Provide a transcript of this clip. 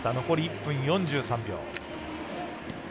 残り１分４３秒。